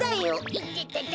いててて！